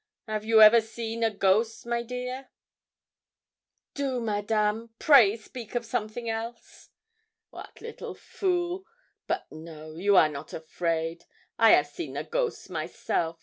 'Av you ever see a ghost, my dear?' 'Do, Madame, pray speak of something else.' 'Wat little fool! But no, you are not afraid. I 'av seen the ghosts myself.